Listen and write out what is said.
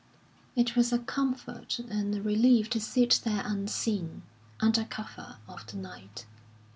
It was a comfort and a relief to sit there unseen, under cover of the night.